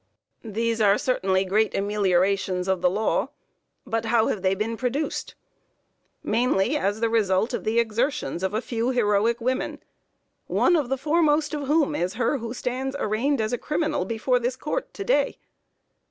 These are certainly great ameliorations of the law; but how have they been produced? Mainly as the result of the exertions of a few heroic women, one of the foremost of whom is her who stands arraigned as a criminal before this Court to day.